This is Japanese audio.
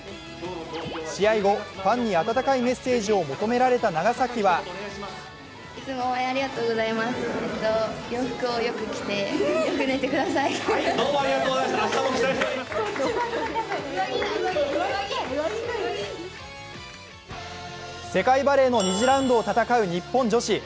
試合後、ファンに温かいメッセージを求められた長崎は世界バレーの２次ラウンドを戦う日本女子。